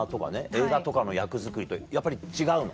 映画とかの役作りとやっぱり違うの？